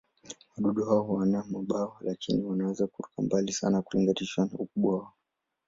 Wadudu hao hawana mabawa, lakini wanaweza kuruka mbali sana ikilinganishwa na ukubwa wao.